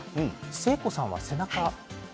誠子さんは背中